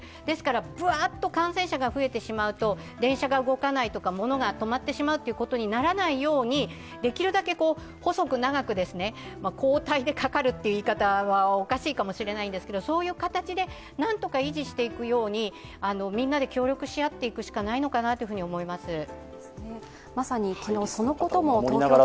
ですからぶわっと感染者が増えてしまうと電車が動かないとか物が止まってしまうということにならないように、できるだけ細く長く交代でかかるという言い方はおかしいかもしれないですが、そういう形でなんとか維持していくようにみんなで協力し合っていくのしかないのかなと思います。